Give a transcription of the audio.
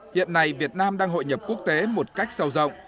hiện nay việt nam đang hội nhập quốc tế một cách sâu rộng